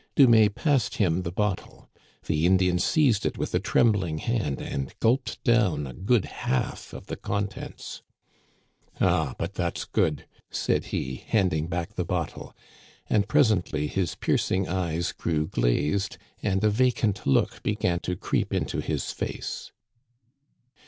Dumais passed him the bottle. The Indian seized it with a trembling hand and gulped down a good half of the contents. " Ah, but that's good,*' said he, handing back the bottle ; and presently his piercing eyes grew glazed, and a vacant look began to creep into his face.